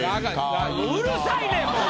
うるさいねんもう！